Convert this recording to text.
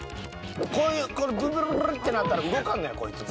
こういうこのブルブルブルってなったら動かんのやこいつは。